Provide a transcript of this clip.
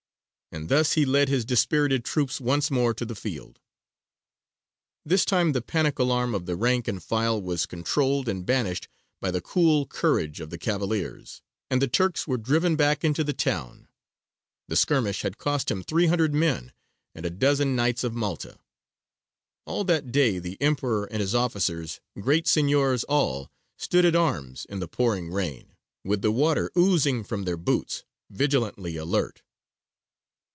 And thus he led his dispirited troops once more to the field; this time the panic alarm of the rank and file was controlled and banished by the cool courage of the cavaliers, and the Turks were driven back into the town. The skirmish had cost him three hundred men and a dozen Knights of Malta. All that day the Emperor and his officers, great signiors all, stood at arms in the pouring rain, with the water oozing from their boots, vigilantly alert.